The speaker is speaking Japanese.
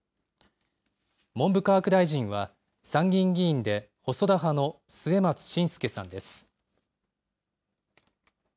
文部科学大臣は参議院議員で細田派の末松信介さんです。